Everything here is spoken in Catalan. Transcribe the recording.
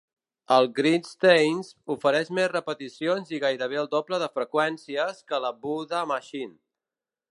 El Gristleism ofereix més repeticions i gairebé el doble de freqüències que la Buddha Machine.